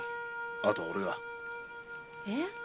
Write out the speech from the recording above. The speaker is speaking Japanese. あとは俺が。え？